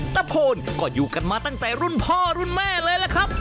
ตะโพนก็อยู่กันมาตั้งแต่รุ่นพ่อรุ่นแม่เลยล่ะครับ